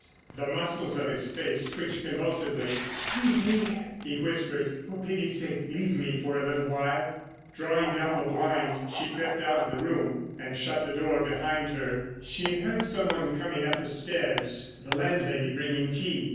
The muscles of his face twitched convulsively. "Leave me," he whispered. "For pity's sake leave me for a little while." Drawing down the blind, she crept out of the room and shut the door behind her. She heard someone coming up the stairs—the landlady bringing tea.